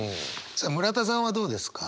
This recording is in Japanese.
さあ村田さんはどうですか？